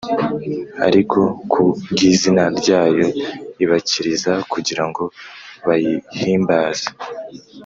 Ariko ku bw izina ryayo Ibakiriza kugira ngo bayihimbaze